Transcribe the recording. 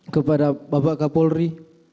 kepada bapak kapolri